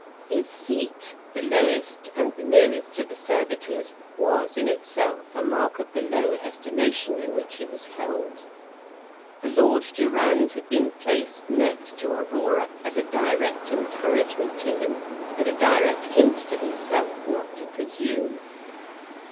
His seat, the lowest, and the nearest to the servitors, was in itself a mark of the low estimation in which he was held. The Lord Durand had been placed next to Aurora, as a direct encouragement to him, and a direct hint to himself not to presume.